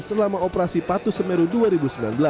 selama operasi patus merutu dua ribu sembilan belas